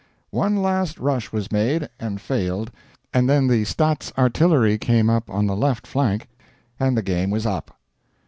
One last rush was made, and failed, and then the Staats Artillery came up on the left flank, and the game was up."